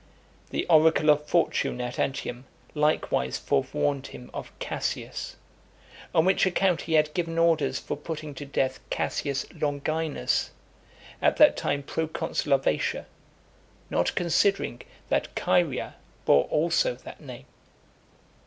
The oracle of Fortune at Antium likewise forewarned him of Cassius; on which account he had given orders for putting to death Cassius Longinus, at that time proconsul of Asia, not considering that Chaerea bore also that name.